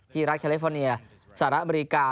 รัฐแคลิฟอร์เนียสหรัฐอเมริกา